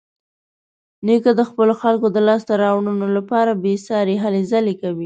نیکه د خپلو خلکو د لاسته راوړنو لپاره بېسارې هلې ځلې کوي.